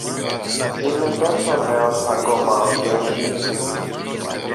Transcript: Είναι τόσο νέος ακόμα ο γιός σου